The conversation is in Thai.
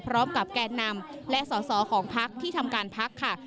พร้อมกับแก่นนำและส่อของพักษ์ที่ทำการพักษ์ค่ะ